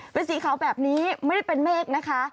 เป็นสีขาวแบบนี้ไม่ได้เป็นเมฆนะคะ